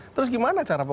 terus gimana cara